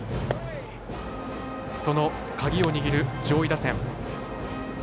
鍵を握る上位打線。